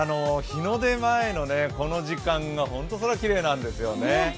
日の出前のこの時間が本当に空きれいなんですよね。